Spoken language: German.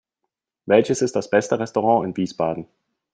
Welches ist das beste Restaurant in Wiesbaden?